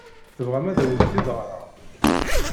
Tebɣam ad awen-t-id ɣṛeɣ?